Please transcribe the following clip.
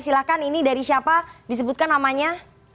silahkan ini dari siapa disebutkan namanya